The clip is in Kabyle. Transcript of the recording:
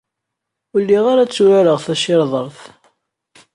Ur lliɣ ara tturareɣ tacirḍart.